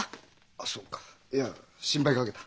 あっそうかいや心配かけた。